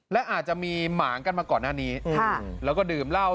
และอาจจะมีหมางกันมาก่อนหน้านี้แล้วก็ดื่มเหล้า